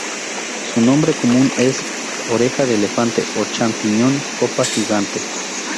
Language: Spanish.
Su nombre común es "oreja de elefante" o "champiñón copa gigante".